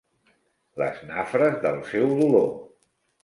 Les nafres del seu dolor.